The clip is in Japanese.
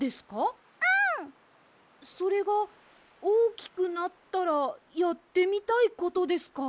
それがおおきくなったらやってみたいことですか？